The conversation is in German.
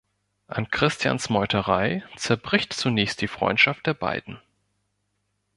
An Christians Meuterei zerbricht zunächst die Freundschaft der beiden.